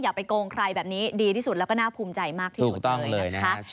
อย่าไปโกงใครแบบนี้ดีที่สุดแล้วก็น่าภูมิใจมากที่สุดเลยนะคะ